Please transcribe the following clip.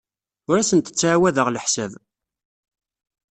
Ur asent-ttɛawadeɣ leḥsab.